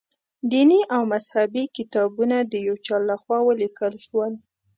دیني او مذهبي کتابونه د چا له خوا ولیکل شول.